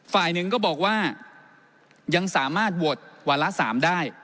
ฝ่ายหนึ่งก็บอกว่ายังสามารถโหวตวาระ๓ได้